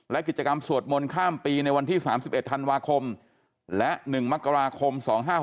และกิจกรรมสวดมนต์ข้ามปีในวันที่๓๑ธันวาคมและ๑มกราคม๒๕๖๖